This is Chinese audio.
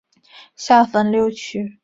下分六区。